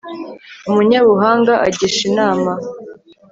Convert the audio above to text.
umunyabuhanga agisha inama